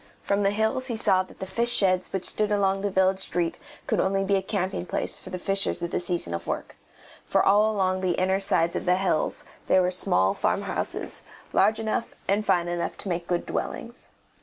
From the hills he saw that the fish sheds which stood along the village street could only be a camping place for the fishers at the season of work, for all along the inner sides of the hills there were small farm houses, large enough and fine enough to make good dwellings.